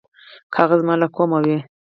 که هغه زما له قومه وي.